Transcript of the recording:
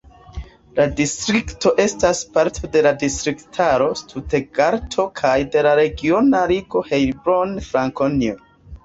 La distrikto estas parto de la distriktaro Stutgarto kaj de la regiona ligo Heilbronn-Frankonio.